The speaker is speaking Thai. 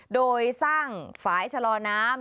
โดยสร้างฝ่ายชะลอน้ำ